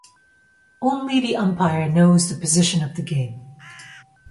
Only the umpire knows the position of the game.